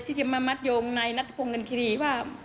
ที่จะมามัดโยงในนัตรภงกันคิรีว่า